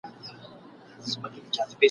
زه د اور په لمبه پایم ماته ما وایه چي سوځې !.